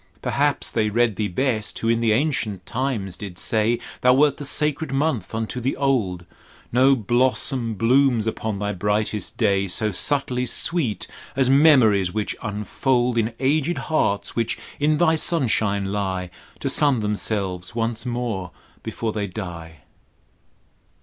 Perhaps they read Thee best who in the ancient time did say Thou wert the sacred month unto the old: No blossom blooms upon thy brightest day So subtly sweet as memories which unfold In aged hearts which in thy sunshine lie, To sun themselves once more before they die.